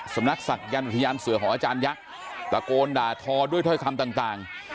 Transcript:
สำนักศักยันต์อุทยานเสือของอาจารยักษ์ตะโกนด่าทอด้วยถ้อยคำต่าง